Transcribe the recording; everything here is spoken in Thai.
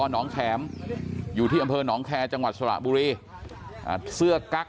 หนองแข็มอยู่ที่อำเภอหนองแคร์จังหวัดสระบุรีเสื้อกั๊ก